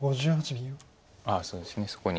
そうですねそこに。